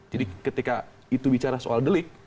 jadi ketika itu bicara soal delik